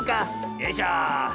よいしょ。